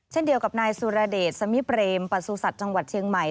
เช่นเดียวกับนายสุรเดชสมิเปรมประสุทธิ์จังหวัดเชียงใหม่